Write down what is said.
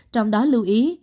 trong đó lưu ý